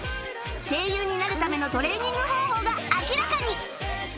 声優になるためのトレーニング方法が明らかに